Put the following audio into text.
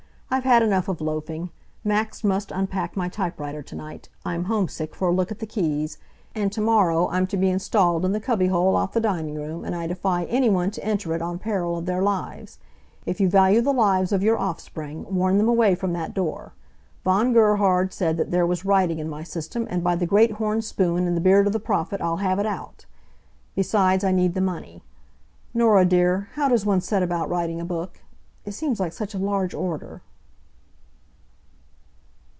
"I've had enough of loafing. Max must unpack my typewriter to night. I'm homesick for a look at the keys. And to morrow I'm to be installed in the cubbyhole off the dining room and I defy any one to enter it on peril of their lives. If you value the lives of your offspring, warn them away from that door. Von Gerhard said that there was writing in my system, and by the Great Horn Spoon and the Beard of the Prophet, I'll have it out! Besides, I need the money. Norah dear, how does one set about writing a book? It seems like such a large order."